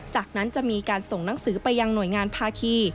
จากนั้นจะมีการส่งหนังสือไปยังหน่วยงานภาคี